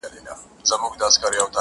o نابلده غل جومات ماتوي.